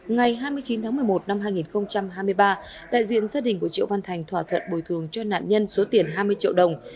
ngày hai mươi chín tháng một mươi một năm hai nghìn hai mươi ba đại diện gia đình của triệu văn thành thỏa thuận bồi thường cho nạn nhân số tiền hai mươi triệu đồng